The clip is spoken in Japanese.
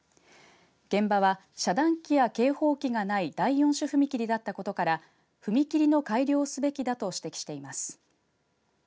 現場は遮断機や警報機がない第４種踏切だったことから踏切の改良をすべきだと指摘しています。